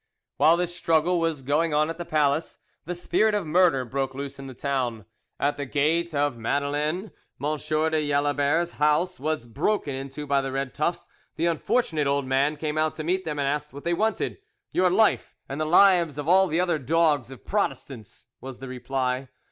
While this struggle was going on at the palace, the spirit of murder broke loose in the town. At the gate of the Madeleine, M. de Jalabert's house was broken into by the red tufts; the unfortunate old man came out to meet them and asked what they wanted. "Your life and the lives of all the other dogs of Protestants!" was the reply.